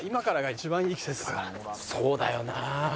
そうだよな。